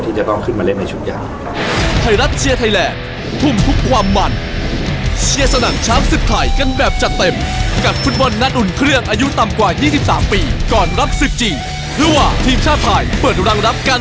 ที่จะต้องขึ้นมาเล่นในชุดอย่าง